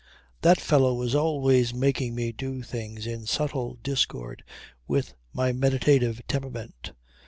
That fellow was always making me do things in subtle discord with my meditative temperament.